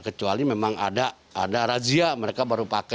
kecuali memang ada razia mereka baru pakai